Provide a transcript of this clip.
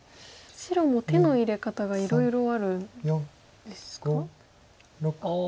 白も手の入れ方がいろいろあるんですか？